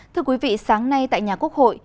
thưa quý vị sáng nay tại nhà quốc hội